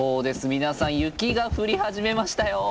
皆さん雪が降り始めましたよ。